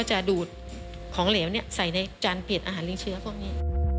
จะดูดของเหลวใส่ในจานเปลี่ยนอาหารลิงเชื้อพวกนี้